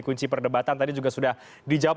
kunci perdebatan tadi juga sudah di jawab